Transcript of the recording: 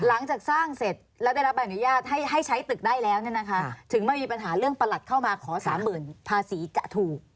หลังจากสร้างเสร็จแล้วได้รับอนุญาตให้ใช้ตึกได้แล้วถึงมันมีปัญหาเรื่องประหลัดเข้ามาขอสามหมื่นภาษีจะถูก